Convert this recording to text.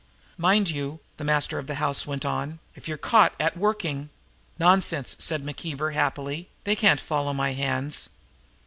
"Mind you," the master of the house went on, "if you are caught at working " "Nonsense!" said McKeever happily. "They can't follow my hands."